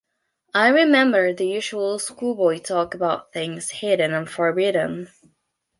I remember the usual schoolboy talk about things hidden and forbidden.